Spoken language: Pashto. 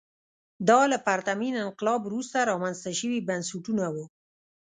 دا له پرتمین انقلاب وروسته رامنځته شوي بنسټونه وو.